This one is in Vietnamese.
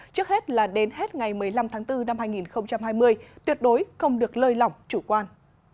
trước hết là đến hết ngày một mươi năm tháng bốn năm hai nghìn hai mươi tuyệt đối không được lơi lỏng chủ quan